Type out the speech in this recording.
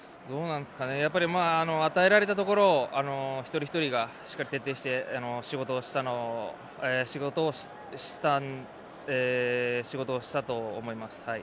やっぱり与えられたところを一人ひとりがしっかり徹底して仕事をしたと思います。